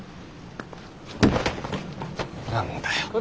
何だよ。